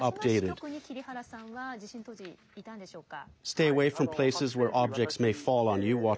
この輪島支局に、桐原さんは地震当時いたんでしょうか。